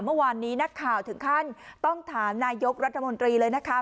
เมื่อวานนี้นักข่าวถึงขั้นต้องถามนายกรัฐมนตรีเลยนะคะ